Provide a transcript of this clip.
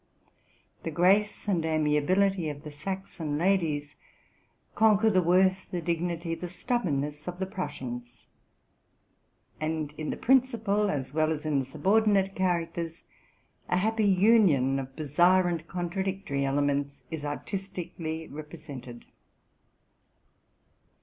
The grace and amiability of the Saxon ladies con. quer the worth, the dignity, and the stubbornness of the Prussians ; and, in the principal as well as in the subordinate characters, a happy union of bizarre and contradictory ele ments is artistically represented.